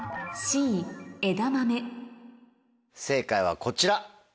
正解はこちら。